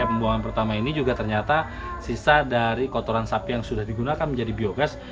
pembuangan pertama ini juga ternyata sisa dari kotoran sapi yang sudah digunakan menjadi biogas